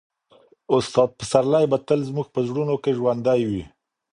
استاد پسرلی به تل زموږ په زړونو کې ژوندی وي.